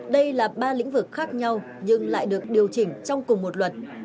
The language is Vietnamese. đây là ba lĩnh vực khác nhau nhưng lại được điều chỉnh trong cùng một luật